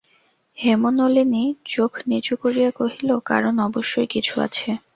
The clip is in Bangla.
হেমনলিনী চোখ নিচু করিয়া কহিল, কারণ অবশ্যই কিছু আছে।